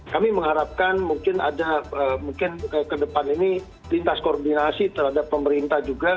kami mengharapkan mungkin ada mungkin ke depan ini lintas koordinasi terhadap pemerintah juga